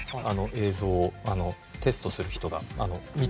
映像をテストする人が見てます。